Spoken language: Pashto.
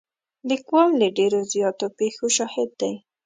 لیکوال د ډېرو زیاتو پېښو شاهد دی.